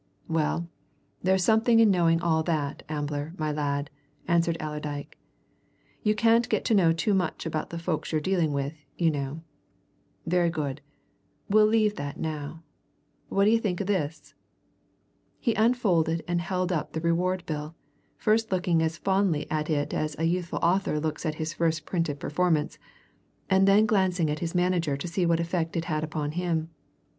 "Well, there's something in knowing all that, Ambler, my lad," answered Allerdyke. "You can't get to know too much about the folks you're dealing with, you know. Very good we'll leave that now. What d'ye think o' this?" He unfolded and held up the reward bill, first looking as fondly at it as a youthful author looks at his first printed performance, and then glancing at his manager to see what effect it had upon him.